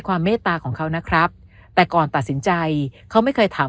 เมตตาของเขานะครับแต่ก่อนตัดสินใจเขาไม่เคยถาม